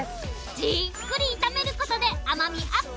じっくり炒めることで甘みアップ。